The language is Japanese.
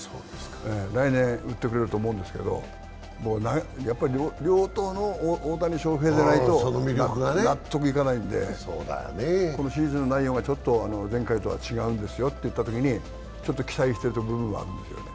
来年打ってくれると思うんですけど両刀の大谷翔平でないと納得できないんでこの手術の内容がちょっと前回とは違うんですよといったときに期待している部分はあります。